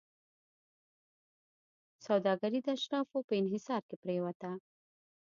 سوداګري د اشرافو په انحصار کې پرېوته.